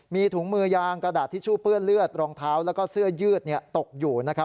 มีถุงมือยางกระดาษทิชชู่เปื้อนเลือดรองเท้าแล้วก็เสื้อยืดตกอยู่นะครับ